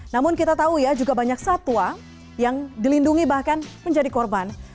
namun kita tahu ya juga banyak satwa yang dilindungi bahkan menjadi korban